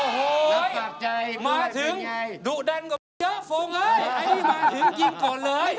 เห้ยเลยโอโหยมาถึงดูดันกว่าฟ่องแว้ไอ้ที่มาถึงยิงก่อนเลย